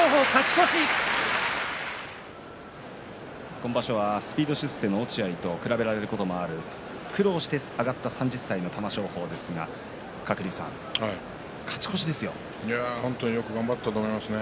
今場所はスピード出世の落合と比べられることもある苦労して上がった３０歳の玉正鳳ですが本当によく頑張ったと思いますね。